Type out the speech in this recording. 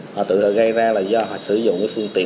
họ tự gây ra do sử dụng phương tiện